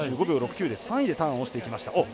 ４５秒６９で３位でターンをしていきました。